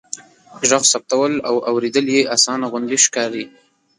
ږغ ثبتول او اوریدل يې آسانه غوندې ښکاري.